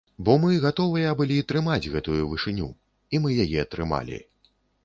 Бо мы гатовыя былі трымаць гэтую вышыню, і мы яе трымалі.